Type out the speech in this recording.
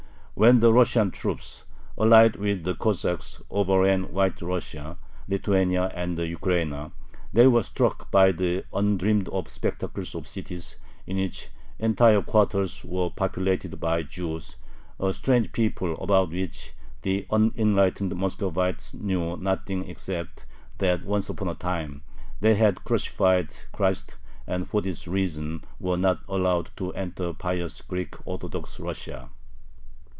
When the Russian troops, allied with the Cossacks, overran White Russia, Lithuania, and the Ukraina, they were struck by the undreamed of spectacle of cities in which entire quarters were populated by Jews, a strange people about which the unenlightened Muscovites knew nothing except that once upon a time they had crucified Christ, and for this reason were not allowed to enter pious, Greek Orthodox Russia.